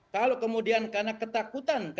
kalau kemudian karena ketakutan